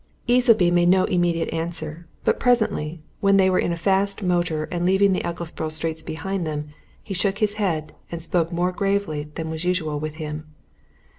Easleby made no immediate answer. But presently, when they were in a fast motor and leaving the Ecclesborough streets behind them, he shook his head, and spoke more gravely than was usual with him.